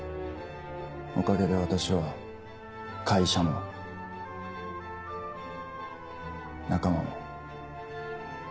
おかげで私は会社も仲間も。